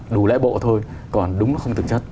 đủ lẽ bộ thôi còn đúng nó không thực chất